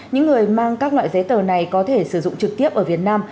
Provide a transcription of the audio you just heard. những người mang các loại giấy tờ này có thể sử dụng trực tiếp ở việt nam